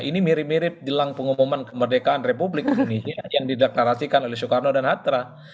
ini mirip mirip jelang pengumuman kemerdekaan republik indonesia yang dideklarasikan oleh soekarno dan hatta